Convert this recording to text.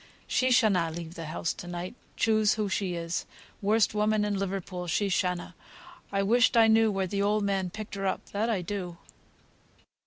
She shanna leave the house to night, choose who she is, worst woman in Liverpool, she shanna. I wished I knew where th' old man picked her up, that I do."